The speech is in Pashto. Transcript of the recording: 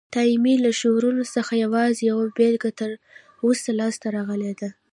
د تایمني له شعرونو څخه یوازي یوه بیلګه تر اوسه لاسته راغلې ده.